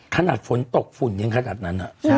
ขนาดฝนตกฝุ่นยังขนาดนั้น